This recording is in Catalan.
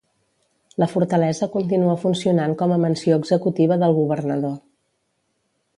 La fortalesa continua funcionant com a mansió executiva del governador.